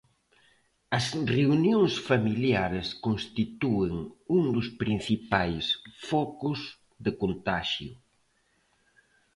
As reunións familiares constitúen un dos principais focos de contaxio.